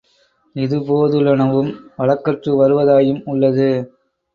இதுபோ துள்ளனவும் வழக்கற்று வருவதாயும் உள்ளது.